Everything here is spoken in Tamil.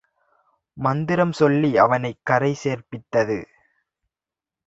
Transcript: மந்திரம் சொல்லி அவனைக் கரை சேர்ப்பித்தது.